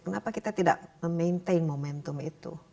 kenapa kita tidak memaintain momentum itu